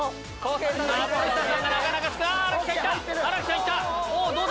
新木さん行った！